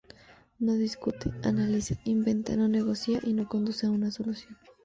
No discute, analiza, inventa, no negocia, y no conduce a una solución.